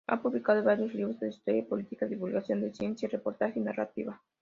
Ha publicado varios libros de historia, política, divulgación de la ciencia, reportaje y narrativa.